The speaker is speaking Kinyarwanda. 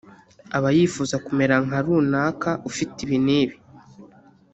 Aba yifuza kumera nka runaka ufite ibi n’ibi